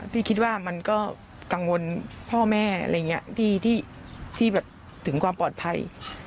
พี่คิดว่ามันก็กังวลพ่อแม่อะไรอย่างนี้ที่แบบถึงความปลอดภัย